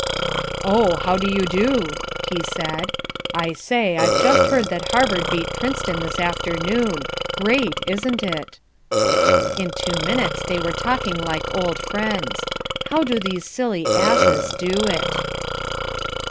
"Oh, how do you do?" he said. "I say, I've just heard that Harvard beat Princeton this afternoon. Great, isn't it?" In two minutes they were talking like old friends. How do these silly asses do it?